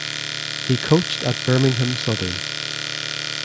He coached at Birmingham–Southern.